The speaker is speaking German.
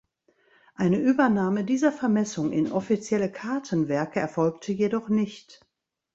Eine Übernahme dieser Vermessung in offizielle Kartenwerke erfolgte jedoch nicht.